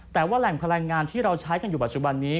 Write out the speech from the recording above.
แต่ว่าแหล่งพลังงานที่เราใช้กันอยู่ปัจจุบันนี้